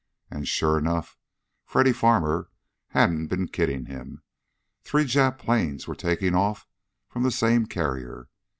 And, sure enough, Freddy Farmer hadn't been kidding him! Three Jap planes were taking off from the same carrier.